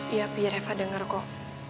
iya pi rafa dengar kok